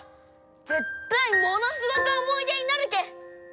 絶対ものすごか思い出になるけん！